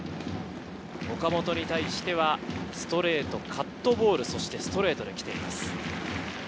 岡本に対してはストレート、カットボール、そしてストレートできています。